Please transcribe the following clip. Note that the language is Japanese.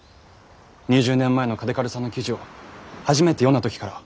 ２０年前の嘉手刈さんの記事を初めて読んだ時から。